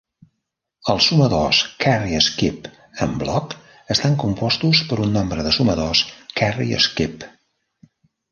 Els sumadors carry-skip en bloc estan compostos per un nombre de sumadors carry-skip.